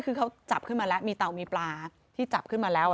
คือเขาจับขึ้นมาแล้วมีเตามีปลาที่จับขึ้นมาแล้ว